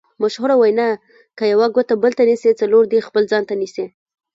مشهوره وینا: که یوه ګوته بل ته نیسې څلور دې خپل ځان ته نیسې.